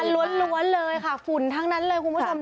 ล้วนเลยค่ะฝุ่นทั้งนั้นเลยคุณผู้ชม